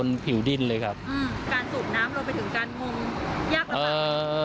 การสูบน้ำลงไปถึงการงมยากหรือเปล่า